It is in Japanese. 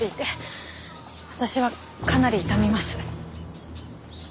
私はかなり痛みます。